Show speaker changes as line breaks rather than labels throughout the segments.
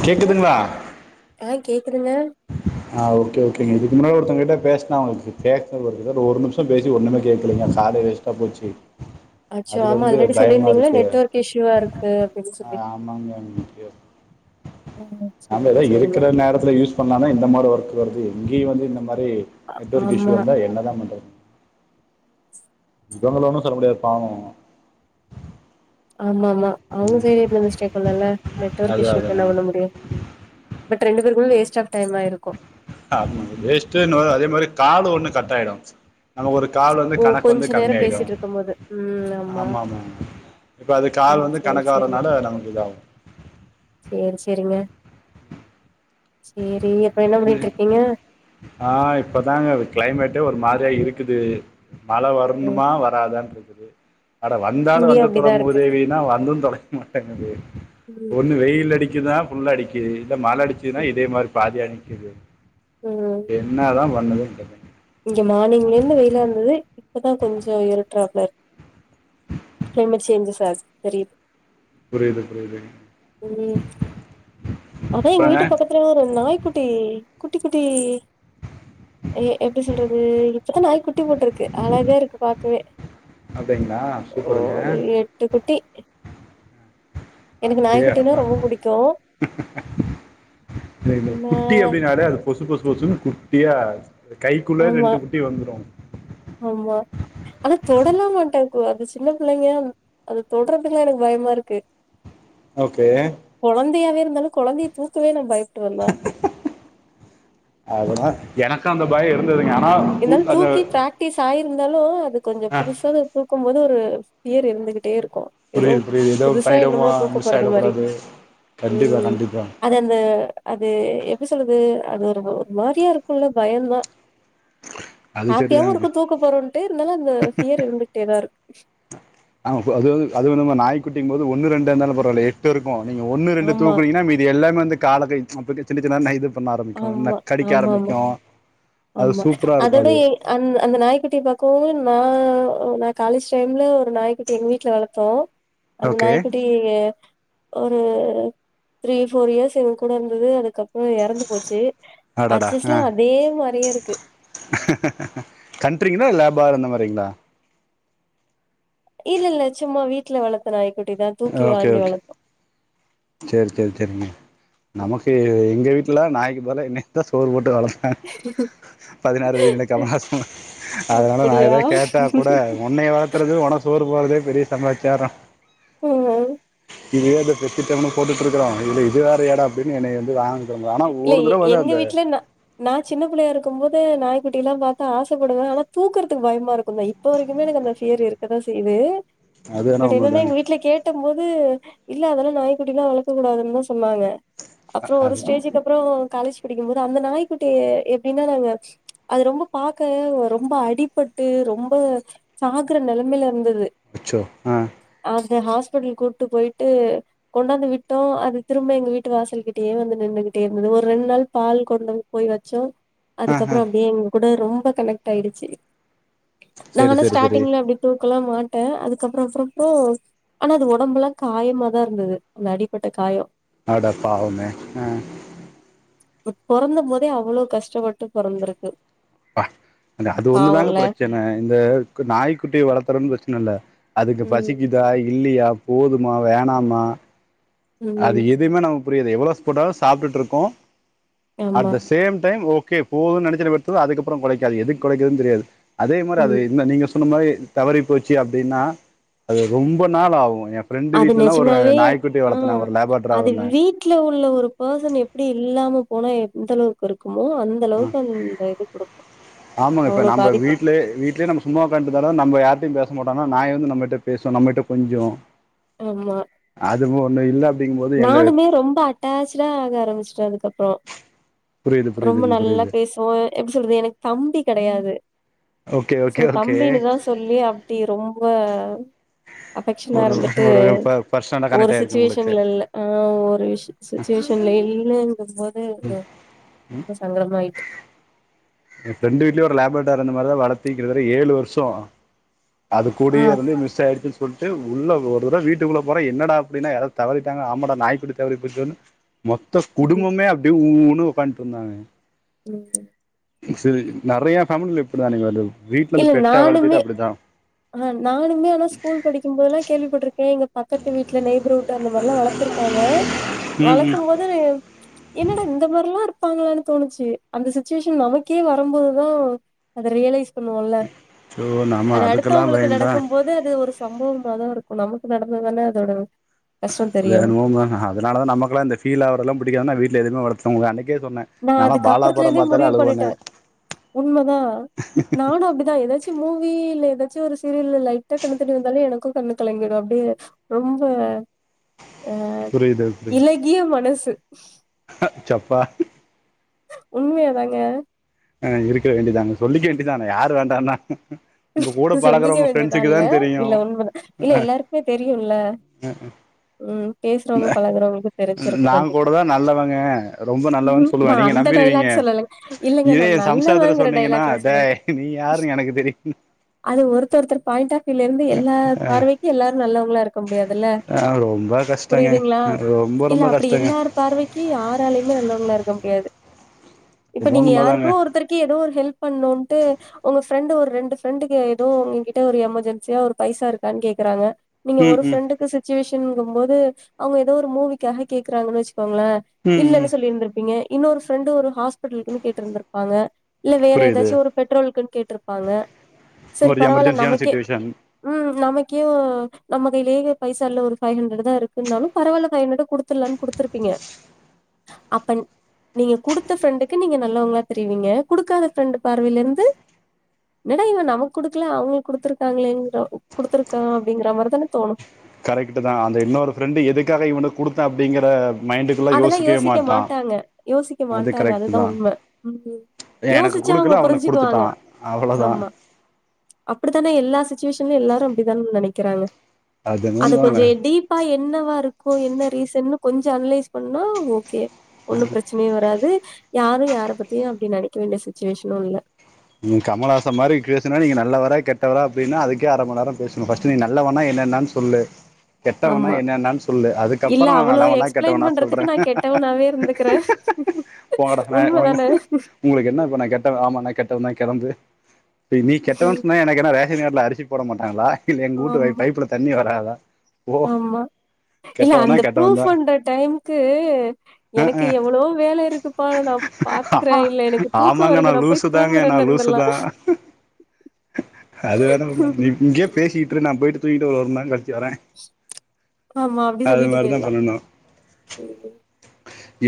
Hello
கேக்குதுங்களா
ஆ கேக்குதுங்க
ஆ ஒகே ஓகேங்க இதுக்கு முன்னாடி ஒருத்தங்க கிட்ட பேசினா அவங்களுக்கு கேக்ல ஒரு நிமிஷம் பேசி ஒண்ணுமே கேட்கலிங்க காட் வேஸ்ட்டா போச்சு
அச்சோ ஆமா
அதுலேருந்து
ஆல்ரெடி
பயமாக
சொல்லிருந்தீங்களே நெட்
இருக்குது
ஒர்க் இஷியூவா இருக்கு அப்டின்னு
ஆ
சொல்லி
ஆமாங்க
ம் சேரிங்க சேரிங்க
எல்லாமே இந்த மாரி ஒர்க் வருது இங்கேயே வந்து இந்த இந்த மாரி நெட் ஒர்க் இஷியூ
ஆமா
வந்தா என்ன தான் பண்றது இவங்கள ஒண்ணும் சொல்ல முடியாது பாவம்
ஆமா ஆமா அவுங்க சைடு இப்ப மிஸ்டேக்கில்லேல்லநெட்வொர்க்
அது
இஸ்யூக்கு
அதான்
என்ன பண்ண முடியும் பட் ரெண்டு பேருக்மே வேஸ்ட் ஆஃப் டைம் ஆயிருக்கு
ஆமாங்க வேஸ்ட்டுன்னு அதே மாரி காலு ஒண்ணு கட்டாயிடு அத்ல ஒரு கால் வந்து
ஓ
கணக்கு வந்து
கொஞ்ச நேரோ
கம்மியாயிடு
பேசிட்டு இருக்கும் போது ம்
ஆமா ஆமா இப்ப அது கால்
ம்
வந்து
சேரி சேரிங்க
கணக்காவுறனால நமக்கு இதாவு
சேரி சேரிங்க சேரி அப்ப என்ன பண்ணிட்டு இருக்கீங்க
ஆ இப்பதாங்க க்ளைமேட்டே ஒரு மா ரிதா இருக்குது மழ
ம்
வர்ணுமா வராதான்ட்ருக் [unintelligible] அட வந்தாலு
இங்கயு
வந்து தொல
அப்டிதா இருக்கு
மூதேவினா வந்து தொலைய மாட்டேங்குது
ம்
ஒன்னு வெயில் அடிக்கிதா ஃபுல்லா அடிக்கிது இப்போ மழ அடிச்சுதுனா இதே மாரி பாதியடிக்குது
ம்
என்னதா பண் [unintelligible]
இங்க மார்னிங்லருந்து வெயிலா இருந்தது இப்பதா கொஞ்சம் இருட்ராப்ல இருக் கிளைமேட் சேஞ்சஸ் ஆது தெரியுது
புரியுது புரியுது
அதா எங்க வீட்டு பக்கத்துல ஒரு நாய்க்குட்டி குட்டி குட்டி எ எப்டி சொல்றது இப்பதா நாய் குட் டி போட்ருக்கு அழகா இருக்கு பாக்கவே
அப்டிங்களா சூப்பருங்க
ஒரு எட்டு குட்டி எனக்கு நாய் குட்டினா ரொம்ப புடிக்கு
இல்ல இல்ல
நா
குட்டி அப்டின்னாலே அது பொசு பொசு பொசுன் குட் டியா என் கைக்குள்ள
ஆமா
ரெண்டு குட்டி வந்துரு
அத தொடலா மாட்டே இப்போ அது சின்ன பிள்ளைலயா அது தொட்றதுக்கே எனக்கு பயமா இருக்கு
ஓகே
ந்தாலு கொழந்தையே தூக்கவே நா பயப்
அதுலா என கா அந்த பயோ இருந்
ந்தாலு தூக்கி பிராக்டீஸ் ஆயிருந்தாலு அது கொஞ்சோ
ஆ.
புதுசாதா இர்கோ கும்போது ஒரு ஏர் இருந்துகிட்டே இரு கோ ஏதோ
புரியுது புரியுது ஏதோ
புதுசா
பண்ணிட்டோமா
என்னமோ தூக்க
மிஸ்
போறது மாரி
ஆயிடக்கூடாது கண்டிப்பா
ம்
கண்டிப்பா
அது அந்த அது எப்பி சொல்லது அது ஒரு ஒ மாரியா இருக்குல்லே பயந்தா
அது
ஹாப்பியாவு
சரிதாங்க
இருக்கு தூக்கா போறோன்ட்டு இருந்தாலு அந்த ஃபியர் இருந்துக்டேதா இரு
ஆமா போ அது வந்து அது வந்து நம்ம நாய்க் குட்டிங் போது ஒன்னு ரெண்டா இந்தாலோ பரவாலே எட்டு இருக்கோ நீங்க ஒன்னு ரெண்டு
ஆமா,
தூக்கினீங்கனா மீதி எல்லாமே வந் தக் கால கை [unintelligible] சின்ன சின்னதா நாய் இது பண்ண ஆரம்பிக்கும் ந
ஆமா
கடிக்க
ஆமா ஆமா
ஆரம்பிக்கும் அது
ஆமா
சூப்பரா இருக்கும்
அதோவுட
அது
எ அந்தே அந்தே நாய்குட்டியே பாக்கவோ எ நா ஓ நா காலேஜ் டைம்ல ஒரு நாய்க்குட்டி எங்கே வீட்லே வளத்தோ அந்த
ஓகே
நாய்குட்டியே ஓ த்ரீ பௌர் இயர்ஸ் இவங்க கூட இருந்தது அதுக்கப்புறம் இறந்து
ஆடாடா ஆ
மாரியே இருக்கு.
கண்ட்ரிங்கா லேபார் அந்த மாதிரி பெைங்களா
இல்ல இல்ல சும்மா வீட்டு விட்டுல வழக்குற நாய்
ஓகே ஓகே சரி சரி சரிங்க நமக்கு எங்க வீட்ல ல்ல நாய்கக்கு போல என்னை தான் சோறு போட்டு வலக் பதினாறு வயதுல கமலா அதனால நான்
அப்படியா?
ஏத கேட்டா கூட உன்னனை வளர்த்த உன சோறு போறதே பெரிய சமாச்சாரம்
ஹ
இதுவே பெிட்டவனுும் போட்டுட்டு இருக்கோம் இல்ல இது வேற எடம் அப்படின்னு என்னை வ வாங்க
இல்ல எங்க வீட்டுல நா நா சின்ன பிள்ளையா இருக்கும் போது நாய்க்குட்டி எல்லாம் பார்த்தா ஆசைப்படுவே ஆனா தூக்குறதுக்கு பயமா இருக்கு இப்போ வரைக்கு எனக்கு அந்த பீலிங் இருக்கதா செய்து
அது வேணா
பட் என்னன்னா
உண்மதாங்க
எங்க வீட்டுல கேட்டு க்கும் போது இல்ல அதெல்லா நாய்குட்டிலா வளக்க கூடாதுனு தா சொன்னாங்க. அப்புறம் ஒரு
அது
ஸ்டேஜ் காலேஜ் படிக்கும்போது அந்த நாய்க்குட்டி எப்படின்னா அது ரொம்ப பாார்க ரொம்ப அடிபட்டு ரொம்ப சாகுற நிலைமையில இருந்தது
அச்சோ ஆஹ
அந்த ஹாஸ்பிட்டல் கூட்டு போயிட்டு கொண்டாந்து விட்டோம் அது திரும்ப எங்க வீட்டு வாசல்கிட்டயே வந்து நின்னு இருந்தது ஒரு ரெண்டு நாள் பால் கொண்டு போய் வச்சம்
ஆ ஆ
அதுக்கப்பறோ அப்படியேவு கூட ரொம்ப கனெக்ட் ஆயிடுச்சி
சரி
நாங்கன்னா
சரி சரி
ஸ்டார்டிங்ல அப்படி போபோ கல்லா மாட்டே அதுக்கப்பறோ அப்புறோஅப்றோ ஆனா அது உடம்புல்லா காயமாதா இருந்தது அந்த அடிபட்ட காயோ
அட பாவமே ஆ
பொறந்த போதே அவ்ளோ கஷ்டப்பட்டு பொறந்திருக்கு
அந்த அது ஒண்ணுதாங்க
பாவோல்ல
பிரச்சன இந்த கு நாய்க்குட்டிய வளத்தறன்னு பிரச் நல்ல அதுக்கு
ம்
பசிக்குதா இல் இல்லயா போதுமா வேணாமா அது
ம்
எதுவுமே நம் புரியாது எவ்வளோ போட்டாலு சாப்ட்டு இருக்கு அட்
ஆமா
த சேம் டைம் ஓக் ஓகே போதுன்னு நினைச்சத அடுத்து அதுக்கப்பறோ கொலைக்காது அது எதுக்கு கொலைக்குதுன்னு தெரியாது அதே மாரி அது
ம்
இந்த நீங்க சொ இப்ப இந்த மாரி தவறி போச்சு அப்டின்னா அது ரொம்ப நாள் ஆவோ என் ஃப்ரெண்ட்
அது
வீட்லல்லா ஒரு
நெஜமாவே
நாய்குட்டி
ஆ
வளத்து
அது வீட்ல உள்ள ஒரு பர்சன் எப்டி இல்லாம போனா எந்த அளவுக்கு இருக்கு
ஆ ஆமாங்க இப்ப
அவ்ளோ
நம்ப
பாதிப்பு
வீட்லயே வீட்லயே நம்ம சும்மா ஒக்காந்துட்டு இருந்தாலு நம்ம யார்கிட்டயு பேச பேச மாட்டாங்க நாய் வந்து நம்மகிட்ட பேசு நம்மகிட்ட கொஞ்சு
ஆமா
அது போ இல்ல இல்ல அப்
நானுமே ரொம்ப அட்டாச்டா ஆக ஆரம்பிச்சிட்டே அதுக்கப்பறோ
புரியுது
ரொம்ப
புரியுதுங்க
நல்லா
புரியுது
பேசுவோ எப்டி சொல்றது எனக்கு தம்பி கெடையாது
ஓகே
சோ
ஓகே ஓகே
தம்பின்னுதா சொல்லி அப்டி ரொம்ப ஆ அஃபெக்க்ஷனா
ஒரு
இருந்துட்டு
ஒரு பர்சனலா
ஒரு
கனெக்ட் ஆயிருக்கு உங்களுக்கு
சிச்சுவேஷன்ல இல்ல ஆ ஒரு விஷ் சுச்சுவேஷன்ல என்னன்னு இந்த அது ரொம்ப சங்கடமா ஆயிட்டு
ஏங்க ஃப்ரெண்ட் வீட்லயு ஒரு லேபர்ட்டாக் அந்த மாரிதா வளத்து கிட்டதட்ட ஏழு வர்சோ அது
ஆ
கூடயே இருந்து மிஸ் ஆயிடுச்சி சொல்ட்டு உள்ள ஒரு தடவ வீட்டுக்குள்ள போற என்னடா அப்டின்னா யாராவது தவறிட்டாங்களா ஆமாடா நாய்க்குட்டி தவறி போச்சோன்னு மொத்த
ம்
குடும்பமே அப்டி உ ம் உக்காந்துட்டு இருந்தாங்க
ம்
சேரி நெறைய ஃபேம்லில இப்டி தா இப்படி தானுங்க அது
இல்ல நானுமே ஆஹ் நானுமே ஆனா ஸ்கூல் படிக்கும் போதுலா கேள்விப்பட்டிருக்கே எங்க பக்கத்து வீட்டுல நைய்பர்வுட் அந்த மாரிலாம் வளத்திருக்காங்க
ம் ம்
வளக்கும் போது என்னடா இந்த மாரி இருப்பாங்கலான்னு தோணுச்சு அந்த சுட்வேஷன் நமக்கே வரும்போது தா அது ரியலைஸ் பண்ணுவோல
ஸோ நம்ம
அது
அதுக்கெல்லாம்
அடுத்தவங்களுக்கு
பயந்தான்
நடக்கும் போது அது ஒரு சம்பவமாதா இருக் நமக்கு நடந்ததுனா அதோட கஷ்டோ தெரியு
என்னமோங்க அதனாலதா நமகெல்லா அந்த ஃபீலாவரதுலாம் பிடிக்காம வீட்டுல எதுவுமே வளக் [unintelligible]
நா அதுக்கப்பறத்துலேந்தே முடிவு பண்ணிட்ட
அழுவேன்னு
உண்மதா நானு அப்டிதா எதாச் சி மூவி இல்ல ஏதாச்சு ஒரு சீரியல்ல லைட்டா கண்லத்தண்ணி வந்தாலு எனக்கு கண்ணு கலங்கிடு அப்டே ரொம்ப அ
புரியுது புரியுது
இலகிய மனசு
சப்பா
உண்மையாதாங்க
அ இருக்க வேண்டிதாங்க சொல்லிக்க வேண்டிதான யாரு வேண்டான்னா
சொல்லிக்க வேண்டியதால்ல இல்ல
தெரியும்
உண்ம இல்ல எல்லார்க்குமே தெரியுல்ல ம் பேசுறவங்க பழகுறவங்களுக்கு
நா
தெரிஞ்சிருக்கு கண்டிப்பா
கூடதா நல்லவங்க ரொம்ப நல்லவன் சொல்லுவ
நா
நீங்க
அந்த
நம்பிருவீங்க
டைலாக் சொல்லலங்க இல்லங்க
இதே
நா
எ சம்சாரத்துல
நல்லவங்கிற
சொன்னீங்கன்னா
டைலாக்லா சொல்லல
டேய் நீ யாருனு எனக் தெரியு
அது ஒருத் ஒருத்தர் பாயிண்ட் ஆஃப் வியூல இருந்து எல்லா பார்வைக்கு எல்லாரு நல்லவங்ளா இருக்க முடியாதுல
ஆ ரொம்ப கஷ்டங்க
புரியுதுங்ளா
ரொம்ப
இல்ல
ரொம்ப
அப்டி
கஷ்டங்க
எல்லார் பார்வைக் யாராலயுமே நல்லவுங்ளா இருக்க முடியாது எது இப்ப
என்னவோ
நீங்க
உண்மதாங்க
யாருக்கோ ஒருத்தருக்கு எதோ ஒரு ஹெல்ப் பண்ணுன்ட்டு ஒங்க ஃப்ரெண்டு ஒரு ரெண் ன்டு ஃப்ரெண்டுங்ல எதோ உங்க கிட்ட ஒரு எமர்ஜென்சியா ஒரு பைசா இருக்கான் கேக்குறாங்க நீங்க
ம்
ஒரு
ம்
ஃப்ரெண்டுக்கு சிச்சுவேஷ் டின்ங்கும்போது அவ்ங்க எதோ ஒரு மூவிக்காக கேக்குறாங்கன் வச் ங்ள
ம் ம்
இல்லன் சொல்லிருந்திருப்பீங்க இன்னொரு ஃப்ரெண்டு ஒரு ஹாஸ்பிடலுக்குன்னு கேட்ருந்திருப்பாங்க இல்ல வேற
புரியுது
எதாச்சு ஒரு பெட்ரோல்க்குன் கேட் ட்ருப்பாங்க சரி
ஒரு
பரவால்ல
எமர்ஜென்சியான
நமக்கே
சுச்சுவேஷன்
ம் நமக்கே உ நம்ம கைலியே பைசா இல்ல ஒரு ஃபைவ் ஹண்ட்ரட் தா இருக்குன்னாலு பரவாயில்ல ஃபைவ் ஹண்ட்ரட் குடுத்துல்லன்னு குடுத்துருப்பீங்க அப்ப நீ நீங்க குடுத்த ஃப்ரெண்டுக்கு நீங்க நல்லவங்ளா தெரியவீங்க குடுக்காத ஃப்ரெண்டு் பார்வையில இருந்து என்னடா இவ நமக்கு குடுக்கல அவங்களுக்கு குடுத்துருக்காங்களேங்ற குடுத்துருக்கா அப்படிங்கற மாரிதான தோணு
கரெக்ட்டுதா அந்த இன்னொரு ஃபிரெண்டு எதுக்காக இவன்ட கெடுத்த அப்டிங்கற
அதெல்லா யோசிக்க மாட்டாங்க யோசிக்க
அது
மாட்டாங்க
கரெக்ட்
அதுதா
தான்
உண்ம ம்
எனக்கு
யோசிச்சா அவங்க
குடுக்கல அவனுக்கு
புரிஞ்சுக்குவாங்க
குடுத்துட்டான் அவ்வளோதான்
ஆமா அப்படித்தானே எல்லா சிச்சுவேஷன்லயு எல்லாரு அப்டித்தான நெனைக் கறாங்க
என்னமோ
அது கொஞ்ச
உண்மதாங்க
டீப்பா எ என்னவா இருக்கு என்ன ரீசன்னு கொஞ்ச அனலைஸ் பண்ணா ஓகே ஒண்ணு பிரச்சனையு வராது யாரு யார பத்தியு அப்டி நெனைக்க வேண்டிய சுச்சுவேஷனு இல்ல
ம் கமலஹாசன் மாரி பேசுனா நீங்க நல்லவரா கெட்டவரா அப்டின்னா அதுக்கே அர மண் நேர பேசணு ஃபர்ஸ்ட் நீ நல்லவனா என்னன்னான் சொல்லு கெட்டவனா
ஆமா
என்னென்னா சொல்லு
இல்ல
அதுக்கப்பற நா
அவ்ளோ
நல்லவனா
எக்ஸ்பிளைன்
கெட்டவனா சொல்ற
பண்றதுக்கு நா கெட்டவனாவே இருந்துக்குறே
போங்கடா
உண்மதான
உனக்கென உங்களுக்கு என்ன இப்ப நா கெட்டவ ஆமா நா கெட் நா கெறந்து இப்ப நீ கெட்டவன் சொன்னா எனக்கென்ன ரேஷன் கடைல அரிசி போட மாட்டாங்களா இல்ல எங்கு ஊட்டு
ஆமா
பைப்ல தண்ணி வராதா ஓ
ஆமா இல்ல
கெட்டவனா
அந்த ப்ரூஃப்
கெட்டவந்தா
வண்ற டைம்க்கு எனக்கு எவ்ளவோ வேல இருக்குப்பா‌ நா நா பாத்துக்றே இல்ல எனக்கு தூக்கோ
ஆமாங்க
வருது நா போய்
லூசு தாங்க நா
தூங்குறேன்னு
லூசு
இருந்துர்லா
தா அது வேணா உண்ம இ இங்கியே பேசிட்ரு நா போயிட்டு தூங்கிட்டு ஒ ஒரு மண்நேரங் க வரே
ஆமா அப்டி
அது
சொல்லிட்டு
மாரிதா
போயிர்லா
பண்ணணு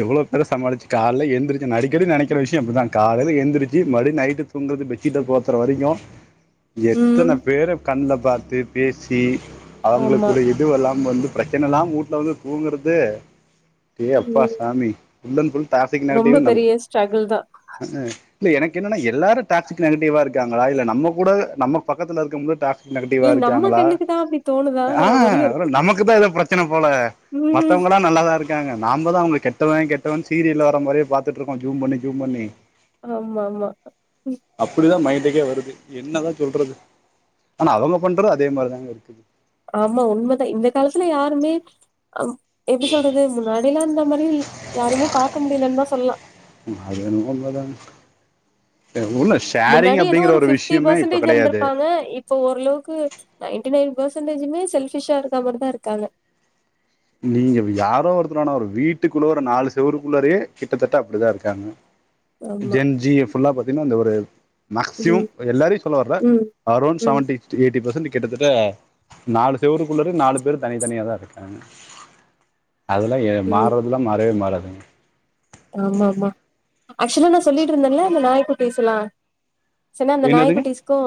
எவ்ளோ பேர சமாளிச்சு கால்ல எந்திரிச் நா அடிக்கடி நெனக்கிற விஷ்யோ அப்டிதா காலைல எந்திரி ஜி மறுவுடி நைட்டு தூங்கறது பெஜ்ஜீட்ட போத்தர வரைக்கு
ம்
எத்தன பேர கண்ல பாத்து பேசி
ஆமா
அவுங்களுக்குள்ள இதுவெல்லாம் ம் வந்து பிரச்சன இல்லாம் ஊட்ல வந்து தூங்கறது அடே அப்பா
ம்
சாமி வுட்டன் ஃபுல் டாக்சிக் நெகட்டிவ்
ரொம்ப
நம்ம
பெரிய ஸ்ட்ரகுல் தா
இல்ல எனக்கென்னனா எல்லாரு டாக்சிக் நெகட்டிவா இருக்காங்களா இல்ல நம்ம கூட நம்ம பக்கத்தல இருக்கவங்க டா நெகட்டிவா
இல்ல நம்ம
இருக்காங்களா
கண்ணுக்கு தான் அப்டி தோணுதாங்கிற மாரியும் இருக்கு
ஆஹ் நமக்கு தா எதோ பிரச்சன போல
ம்
மத்தவங்களா நல்லாதா இருக்காங்க நாம்பதா அவங்கள கெ ட்டவ கெட்டவன் சீரியல்ல வர மாரியே பாத்துட்ருக்கூ ஜூம் பண்ணி ஜூம் பண்ணி
ஆமாமா
ண்டுக்கே வருது என்னதா சொல்றது ஆனா அவுங்க பண்றது அதே மாரிதாங்க இருக்குது
ஆமா உண்மதா இந்த காலத்துல யாருமே அம் எப்டி சொல்றது முன்னாடியெல்லா இந்த மாரி ல் யாரயுமே பாக்க முடிலன் தா சொல்லா
ம் அதென்மோ உண்மதாங்க
முன்னாடி எதோ ஒரு பிப்டி
விஷயமே இப்ப
பர்சன்டேஜு
கிடையாது
இருந்துருப்பாங்க இப்ப ஓர்ளவுக்கு நைன்டி நைன் பர்சன்டேஜுமே செல்பிஷா இருக்க மாரிதா இருக்காங்க
நீங்க யாரோ ஒருத்தர் வேனா ஒரு வீட்டுக்குள்ள ஒரு நாலு செவருக்குள்ளாரயே கிட்டத்தட்ட அப்டிதா இருக்காங்க
ஆமா
ஜென் ஜி ய ஃபுல்லா பாத்தீங்கனா இந்த ஒரு மேகிசிமம்
ம்
எல்லாரையு சொல்ல வர்ல
ம்
அரௌண்ட்
ம்
செவன்டி எய்ட்டி பர்சன்டேஜ் கிட்டத்தட்ட நாலு செவுருக்குள்ளர நாலு பேரு தனித்தனியாக தா இருக்காங்க அதெல்லா ஏ
ம்
மாறதுல்லா மாறவே மாறாது
ஆமா ஆமா ஆக்சுலா நா சொல்லிட்ருந்தேல அந்த நாயப்ப பேசலா சென்னா அந்த
என்னதுங்க
நாய்க்குட்டிஸ்க்கு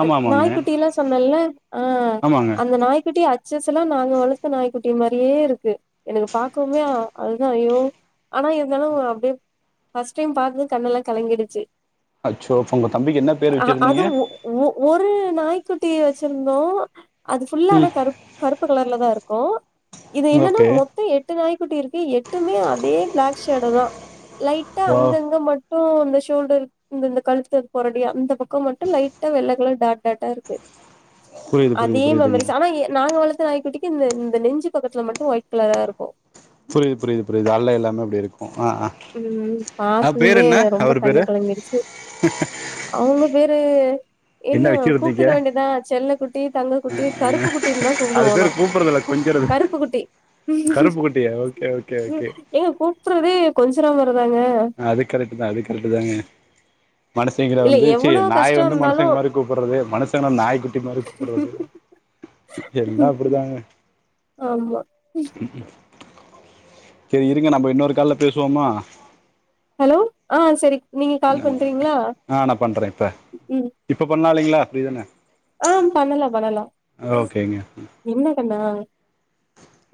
ஆமா ஆமாங்க
நாய்க்குட்டிலா சொன்னேல ஆ
ஆமாங்க
அந்த நாய்க்குட்டி சில்சில்லா நாங்க வளத்த நாய்க்குட்டி மாரியே இருக்கு எனக்கு பாக்கமே அ அவ்ளோதா ஐயோ ஆனா இருந்தாலு அ அப்டியே ஃபர்ஸ்ட் டைம் பாக்கும்போது கண்ணெல்லா கலங்கிடுச்சி
அச்சோ அப்ப ஒங்க தம்பிக்கு என்னா பேரு வச்சிருந்தீங்க
குட்டி வச்சிருந்தோ அது ஃபுல்லா ஆன
ம்
கருப் கருப்பு கலர்ல தா இருக்கு இது என்னன்னா
ஓகே
மொத்த எட்டு நாய்க்குட்டி இருக்கு எட்டுமே அதே சோட தா லைட்டா
ஓ
அங்கங்க ம ட்டு அந்த ஷோல்டர் இந்த இந்த கழுத்து போறடியா அந்த பக்கோ மட்டு லைட்டா வெள்ளகலர் டாட் டாட்டா இருக்கு
புரியுது புரியுது
அதே
புரியுதுங்க
மெமரிஸ் அனா எ நாங்க வளத் நாய்குட்டிக்கு இந்த இந்த நெஞ்சு பக்கத்துல மட்டு ஒயிட் கலரா இருக்கு
புரிது புரிது புரிது அல்ல எல்லாமே அப்படி இருக்கு
ம் பாத்ததுமே
என்ன
ரொம்ப
அவரு
கண்ணு
பேரு
கலங்கிடுச்சு அவங்க பேரு என்ன கூப்ட்டுக்க வேண்டிதா செல்ல குட்டி தங்க குட்டி கருப்பு குட்டன்லா
அது
கூப்புடுவோ அனா
பேரு கூப்பிடுறதுல கொஞ்சுறது
கருப்பு குட்டி
கருப்பு குட்டியா ஓகே ஓகே ஓகே
எங்க கூப்ட்றதே அப்பறோ
அது கரட்டுதா அது கரட்டுதாங்க கடசி இதுல
இல்ல
வந்து சி
எவ்ளோ
நாய
கஷ்டோ
வந்து
இருந்தாலு
மனுஷங்க மாரி கூப்பறது மனுஷங்க நாய் குட்டி மாரி கூப்பறது எல்லா அப்டிதாங்க
ஆமா
சேர் இருங்க நம்ப இன்னொரு கால்ல பேசுவோமா
ஹலோ ஆ செரி
என்னங்க ஆ நா பண்ற இப்ப
ம்
இப்ப பண்லா இல்லிங்ளா ஃப்ரீதான
ஆ பண்ணலா
ஓகேங்க ம்
ஆ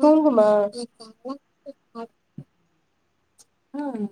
குங்குமா ஆ